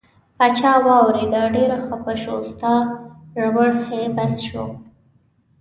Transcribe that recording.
پاچا واوریده ډیر خپه شو ستا ربړ عبث شو.